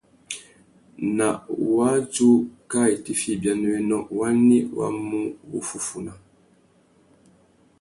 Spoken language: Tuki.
Ná wadjú kā itifiya ibianéwénô, wani wá mú wuffúffuna?